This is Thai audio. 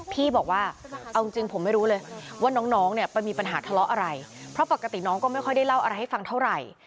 พี่บอกว่าเอาจริงผมไม่รู้เลยว่าน้องเนี่ยไปมีปัญหาทะเลาะอะไรเพราะปกติน้องก็ไม่ค่อยได้เล่าอะไรให้ฟังเท่าไหร่